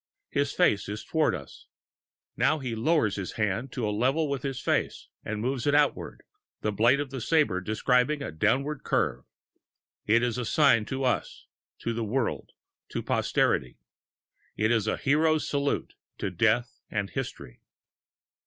His face is toward us. Now he lowers his hand to a level with his face and moves it outward, the blade of the sabre describing a downward curve. It is a sign to us, to the world, to posterity. It is a hero's salute to death and history.